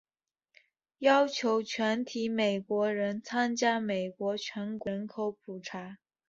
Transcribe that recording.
要求全体美国人参与美国全国人口普查。